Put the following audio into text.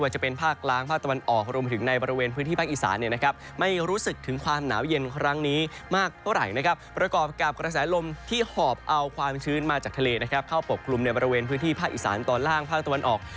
หรือในบริเวณพื้นที่ภาคอิสร์ฯต่อล่างพิธีภาคตะวันออก